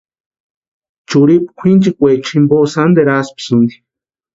Churhipu kwʼinchikwaecha jimpo sánteru asïpisïnti.